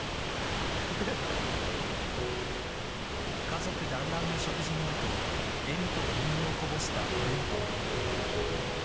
家族団らんの食事の後笑みと本音をこぼしたベント。